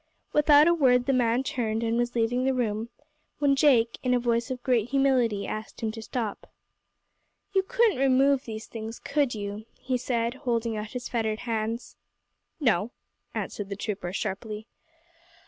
Without a word the man turned, and was leaving the room, when Jake, in a voice of great humility, asked him to stop. "You couldn't remove these things, could you?" he said, holding out his fettered hands. "No," answered the trooper, sharply.